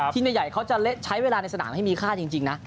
ที่ในใหญ่เขาจะใช้เวลาในสถานที่มีค่าจริงนะ